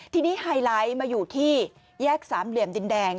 ทีนี้ไฮไลท์มาอยู่ที่แยกสามเหลี่ยมดินแดง